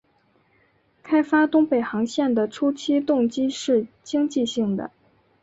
开发东北航线的初期动机是经济性的。